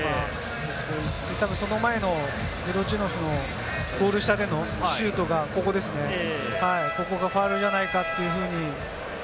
たぶん、その前のミルチノフのゴール下でのシュートが、ここですね、ファウルじゃないかというふうに。